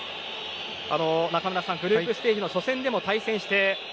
中村さん、グループステージの初戦でも対戦して。